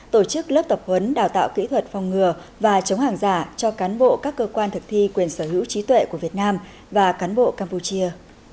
tổ chức lớp tập huấn đào tạo kỹ thuật phòng ngừa và chống hàng giả cho cán bộ các cơ quan thực thi quyền sở hữu trí tuệ của việt nam và cán bộ campuchia